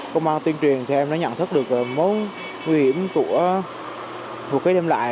công an tuyên truyền thì em đã nhận thức được mối nguy hiểm của vũ khí đem lại